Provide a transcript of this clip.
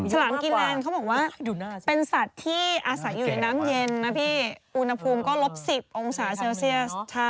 ฉลามกินแลนด์เขาบอกว่าเป็นสัตว์ที่อาศัยอยู่ในน้ำเย็นนะพี่อุณหภูมิก็ลบ๑๐องศาเซลเซียส